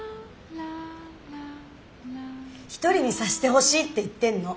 一人にさせてほしいって言ってんの！